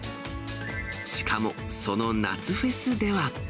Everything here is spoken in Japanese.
しかも、その夏フェスでは。